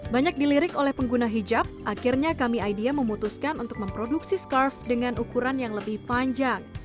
banyak dilirik oleh pengguna hijab akhirnya kami idea memutuskan untuk memproduksi scarf dengan ukuran yang lebih panjang